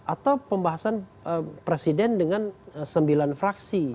atau pembahasan presiden dengan sembilan fraksi